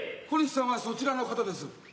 小西さんはそちらの方です。